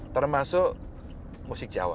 termasuk musik jawa